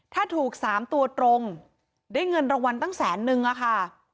ถ้าถูก๓ตัวตรงได้เงินรางวัลตั้งแสนนึงอะค่ะ